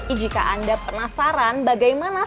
ijika anda penasaran bagaimana